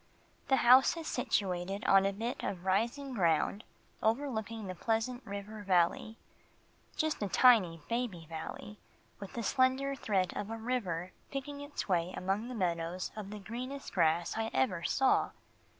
The house is situated on a bit of rising ground overlooking the Pleasant River Valley just a tiny, baby valley with a slender thread of a river picking its way among meadows of the greenest grass I ever saw.